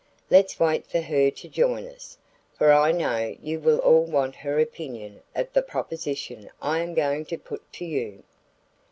Let's wait for her to join us, for I know you will all want her opinion of the proposition I am going to put to you."